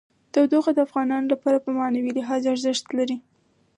تودوخه د افغانانو لپاره په معنوي لحاظ ارزښت لري.